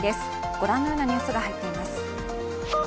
ご覧のようなニュースが入っています。